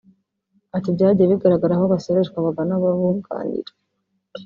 Ati “byagiye bigaragara aho abasoreshwa bagana ababunganira